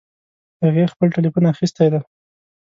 هغې خپل ټیلیفون اخیستی ده